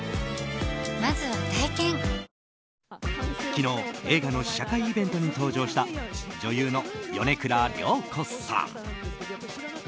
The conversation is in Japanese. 昨日、映画の試写会イベントに登場した女優の米倉涼子さん。